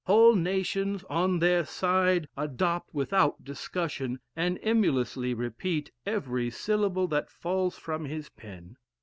Whole nations, on their side, adopt without discussion, and emulously repeat, every syllable that falls from his pen.